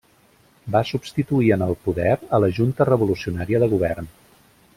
Va substituir en el poder a la Junta Revolucionària de Govern.